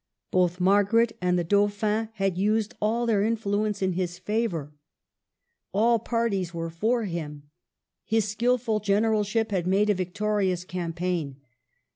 Both Margaret and the Dauphin had used all their influence in his favor. All CHANGES. 173 parties were for him. His skilful generalship had made a victorious campaign.